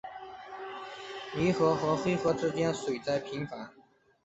泥河和黑河之间水灾频繁。